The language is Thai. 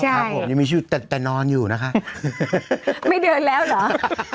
ครับผมยังมีชื่อแต่แต่นอนอยู่นะคะไม่เดินแล้วเหรอ